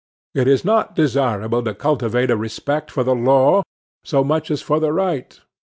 It is not desirable to cultivate a respect for the law, so much as for the right.